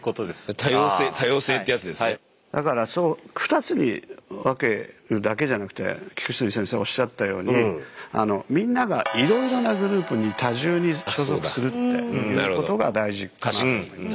だから２つに分けるだけじゃなくて菊水先生おっしゃったようにみんながいろいろなグループに多重に所属するっていうことが大事かなと思いますね。